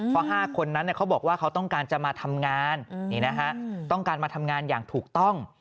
เพราะ๕คนนั้นเขาบอกว่าเขาต้องการจะมาทำงานต้องการมาทำงานอย่างถูกต้อง